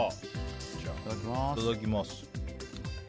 いただきます。